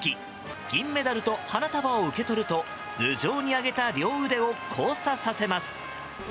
銀メダルと花束を受け取ると頭上に上げた両腕を交差させます。